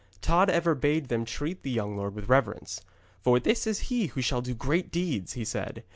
Tod ever bade them treat the young lord with reverence. 'For this is he who shall do great deeds,' he said.